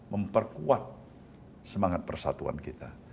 memperkuat semangat persatuan kita